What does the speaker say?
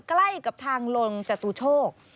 ใกล้กับทางลงจตุโชค